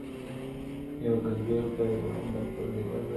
یو ګنجی خدای برابر پر دې بازار کړ!